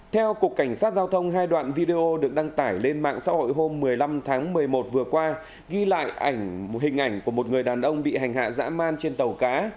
theo cục cảnh sát giao thông hai đoạn video được đăng tải lên mạng xã hội hôm một mươi năm tháng một mươi một vừa qua ghi lại ảnh hình ảnh của một người đàn ông bị hành hạ dã man trên tàu cá